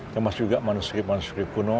termasuk juga manuskrip manuskrip kuno